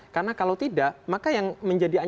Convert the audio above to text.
karena kalau tidak maka yang menjadi